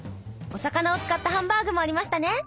お魚を使ったハンバーグもありましたね。